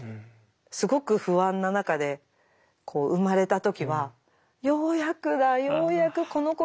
すごく不安な中で生まれた時は「ようやくだようやくこの子に会いたかったんだ。